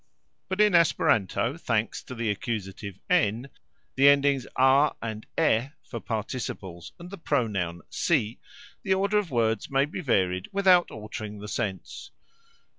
But in Esperanto, thanks to the accusative "n", the endings "a" and "e" for participles, and the pronoun "si", the order of words may be varied without altering the sense.